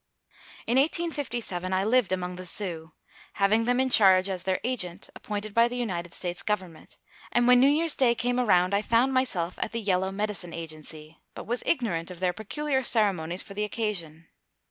In 1857 I lived among the Sioux, having them in charge as their agent, appointed by the United States government, and when New Year's day came around, I found myself at the Yellow Medicine Agency, but was ignorant of their peculiar ceremonies for the occasion.